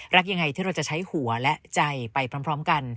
รักอย่างไรที่เราจะใช้หัวและใจไปพร้อมพร้อมกัน